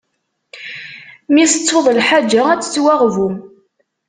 Mi tettuḍ lḥaǧa, ad tettwaɣbu.